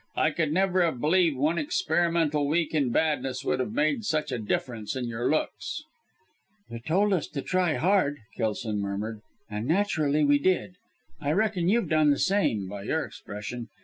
I could never have believed one experimental week in badness would have made such a difference to your looks." "You told us to try hard!" Kelson murmured, "and naturally we did. I reckon you've done the same by your expression.